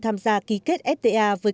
tham gia ký kết fta với